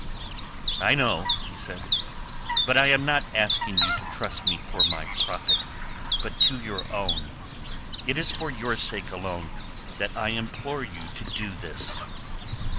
"I know," he said. "But I am not asking you to trust me to my profit, but to your own. It is for your sake alone that I implore you to do this."